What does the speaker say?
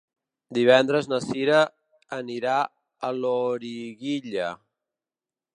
Divendres na Cira anirà a Loriguilla.